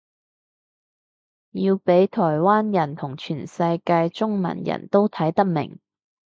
要畀台灣人同全世界中文人都睇得明